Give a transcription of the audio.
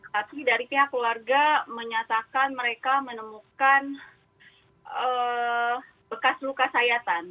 tapi dari pihak keluarga menyatakan mereka menemukan bekas luka sayatan